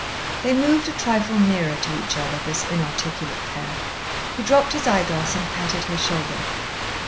They moved a trifle nearer to each other, this inarticulate pair. He dropped his eyeglass and patted her shoulder.